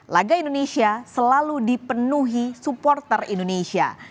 laga indonesia selalu dipenuhi supporter indonesia